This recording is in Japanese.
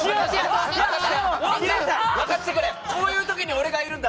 こういう時に俺がいるんだ。